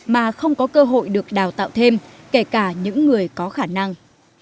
mà không có cơ hội được đào tạo thêm kể cả những người có khả năng